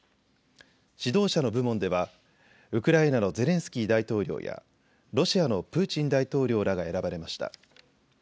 指導者の部門ではウクライナのゼレンスキー大統領やロシアのプーチン大統領らが選ばれました。